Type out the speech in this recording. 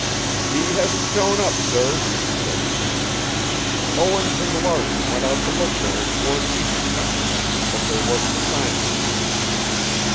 "He hasn't shown up, sir," said Trent. "Owens and Larson went out to look for him toward evening yesterday, but there wasn't a sign of him."